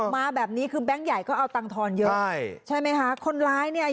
มาแบงค์ใหญ่ซะด้วย